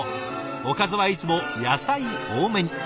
おかずはいつも野菜多めに。